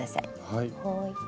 はい。